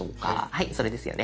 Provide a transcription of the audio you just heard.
はいそれですよね。